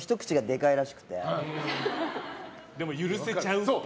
でも許せちゃう。